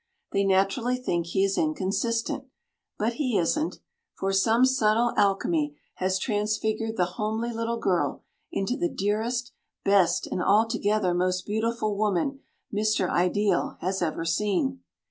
They naturally think he is inconsistent, but he isn't, for some subtle alchemy has transfigured the homely little girl into the dearest, best, and altogether most beautiful woman Mr. Ideal has ever seen.